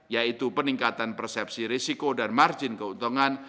yaitu peningkatan persepsi risiko dan margin keuntungan